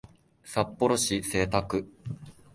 札幌市清田区